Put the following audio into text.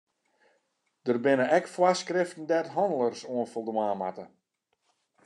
Der binne ek foarskriften dêr't hannelers oan foldwaan moatte.